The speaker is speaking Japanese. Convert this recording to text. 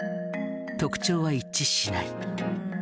特徴は一致しない。